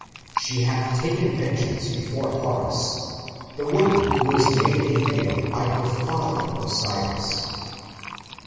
She hath taken vengeance before Horus, the woman who was made a male by her father Osiris.